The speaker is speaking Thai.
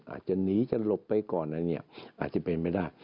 อาจจะหนีจะหลบไปก่อนนั้นอาจจะเป็นไม่ได้